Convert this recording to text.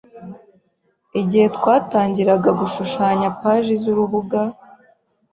Igihe twatangiraga gushushanya paji zurubuga,